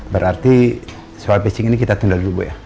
berarti soal pacing ini kita tunda dulu ya